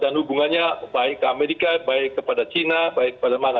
dan hubungannya baik ke amerika baik kepada china baik kepada mana